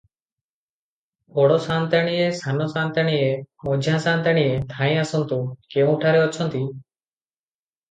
"ବଡ଼ ସାଆନ୍ତାଣୀଏ ସାନ ସାଆନ୍ତାଣୀଏ, ମଝିଆଁ ସାଆନ୍ତାଣୀଏ, ଧାଇଁ ଆସନ୍ତୁ, କେଉଁଠାରେ ଅଛନ୍ତି?